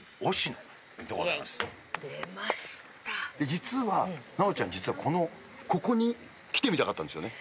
実はナオちゃん実はここに来てみたかったんですよね？